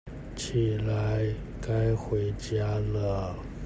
起來，該回家了